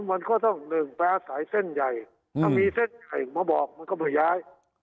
มันก็ต้องหนึ่งแป๊สายเส้นใหญ่ถ้ามีเส้นใหญ่มาบอกมันก็ไม่ย้าย